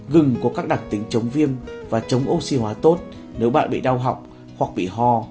gừng có các đặc tính chống viêm và chống oxy hóa tốt nếu bạn bị đau họng hoặc bị ho